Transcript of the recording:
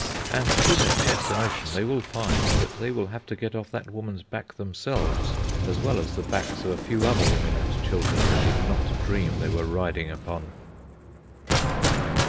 And to their consternation, they will find that they will have to get off that woman's back themselves, as well as the backs of a few other women and children they did not dream they were riding upon.